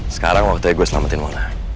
sekarang waktunya gue selamatin monar